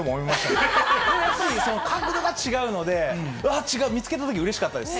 でもやっぱり、その角度が違うので、うわー、違う、それを見つけたとき、うれしかったです。